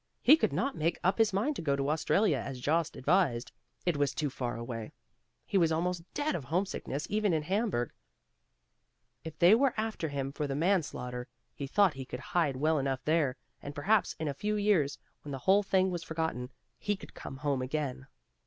He could not make up his mind to go to Australia as Jost advised; it was too far away; he was almost dead of homesickness even in Hamburg. If they were after him for the man slaughter, he thought he could hide well enough there, and perhaps in a few years when the whole thing was forgotten, he could come home again.